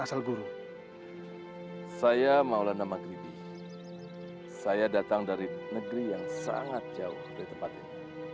saya maulana magribi saya datang dari negeri yang sangat jauh dari tempat ini